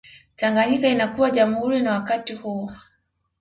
Tanganyika inakuwa jamhuri na wakati huo